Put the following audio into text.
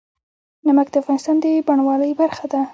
نمک د افغانستان د بڼوالۍ برخه ده.